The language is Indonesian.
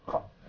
kamu di sini